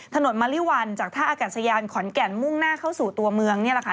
ถนนมะลิวันจากท่าอากาศยานขอนแก่นมุ่งหน้าเข้าสู่ตัวเมืองนี่แหละค่ะ